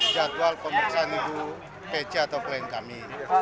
jadwal pemeriksaan ibu pc atau klien kami